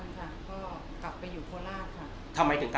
ก็กลับไปอยู่โคราค